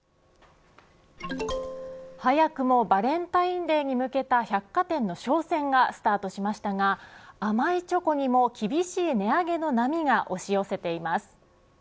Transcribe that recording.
早くもバレンタインデーに向けた百貨店の商戦がスタートしましたが甘いチョコにも厳しい値上げの波が押し寄せています。